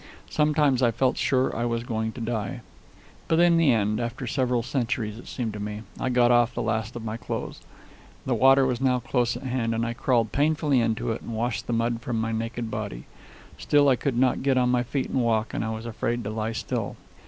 Sometimes I felt sure I was going to die. But in the end, after several centuries, it seemed to me, I got off the last of my clothes. The water was now close at hand, and I crawled painfully into it and washed the mud from my naked body. Still, I could not get on my feet and walk and I was afraid to lie still.